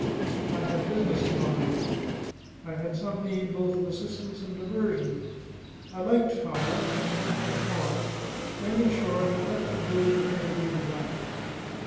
I had business to mind, I had some need both of assistance and diversion; I liked Fowler I don't know why; and in short, I let them do with me as they desired.